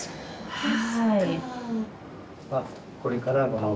はい。